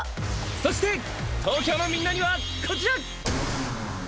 そして東京のみんなにはこちら！